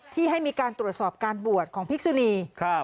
ที่ให้มีการตรวจสอบการบวชของพิกษุนี